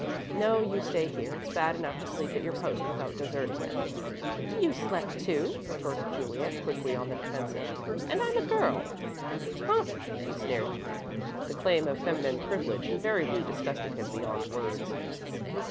"No, you stay here. It's bad enough to sleep at your post without deserting it." "You slept, too," retorted Juliet, quickly on the defensive, "and I'm a girl." "Huh!" he sneered. The claim of feminine privilege invariably disgusted him beyond words.